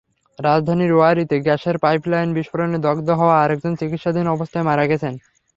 রাজধানীর ওয়ারীতে গ্যাসের পাইপলাইন বিস্ফোরণে দগ্ধ হওয়া আরেকজন চিকিৎসাধীন অবস্থায় মারা গেছেন।